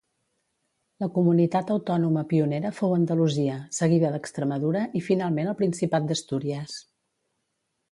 La comunitat autònoma pionera fou Andalusia, seguida d'Extremadura i finalment el Principat d'Astúries.